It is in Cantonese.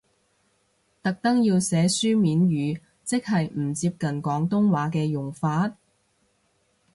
特登要寫書面語，即係唔接近廣東話嘅用法？